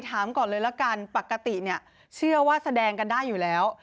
ถามก่อนเลยละกันปกติเนี่ยเชื่อว่าแสดงกันได้อยู่แล้ว